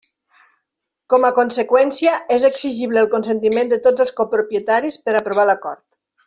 Com a conseqüència, és exigible el consentiment de tots els copropietaris per aprovar l'acord.